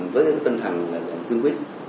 với cái tinh thần cương quyết